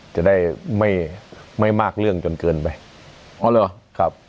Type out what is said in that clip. จะได้ไม่ไม่มากเรื่องจนเกินไปอ๋อเหรอครับ